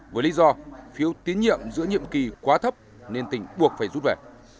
với lý do phiếu tín nhiệm giữa nhiệm kỳ quá thấp nên tỉnh buộc phải rút về